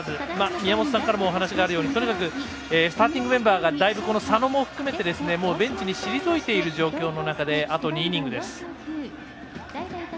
宮本さんからもお話があるようにとにかくスターティングメンバーが佐野も含めてベンチに退いている状況の中であと２イニングです。